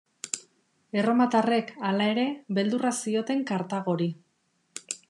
Erromatarrek, hala ere, beldurra zioten Kartagori.